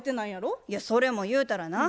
いやそれも言うたらな